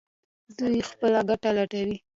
دوی خپله ګټه لټوي.